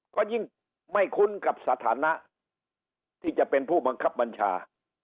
ก็ยิ่งไม่คุ้นกับสถานะที่จะเป็นผู้บังคับบัญชา